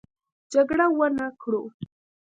جګړه ونه کړو.